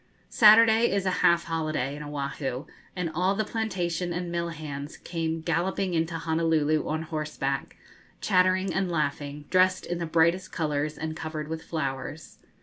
Saturday is a half holiday in Oahu, and all the plantation and mill hands came galloping into Honolulu on horseback, chattering and laughing, dressed in the brightest colours, and covered with flowers.